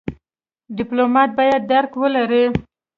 ډيپلومات بايد درک ولري.